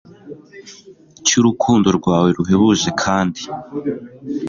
cy'urukundo rwawe ruhebuje, kandi